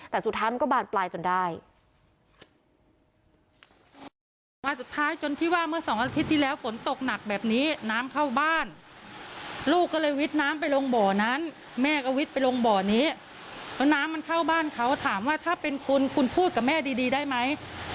แต่สุดท้ายมันก็บานปลายจนได้